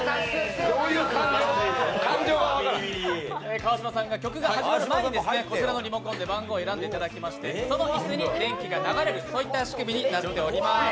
川島さんが曲が始まる前に番号を選んでいただきましてその椅子に電気が流れる、そういった仕組みになっております。